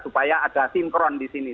supaya ada sinkron di sini